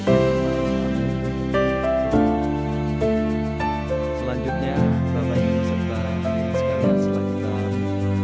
selanjutnya bapak yusuf hadirin sekalian selamat datang